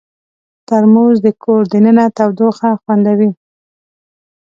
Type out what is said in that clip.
ترموز د کور دننه تودوخه خوندوي.